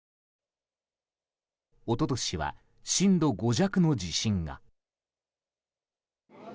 一昨年は震度５弱の地震が。